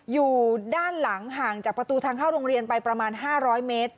อยู่ด้านหลังห่างจากประตูทางเข้าโรงเรียนไปประมาณ๕๐๐เมตร